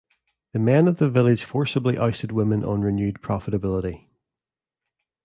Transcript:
The men of the village forcibly ousted women on renewed profitability.